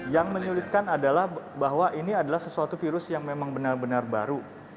yang menyulitkan adalah bahwa ini adalah sesuatu virus yang memang benar benar baru